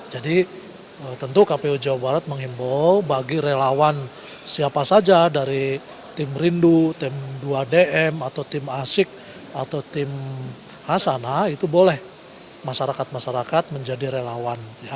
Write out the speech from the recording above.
jadi tentu kpu jawa barat mengimbau bagi relawan siapa saja dari tim rindu tim dua dm atau tim asik atau tim hasana itu boleh masyarakat masyarakat menjadi relawan